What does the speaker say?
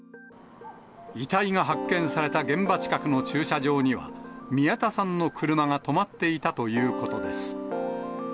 遺体が発見された現場近くの駐車場には、宮田さんの車が止まっていたということです。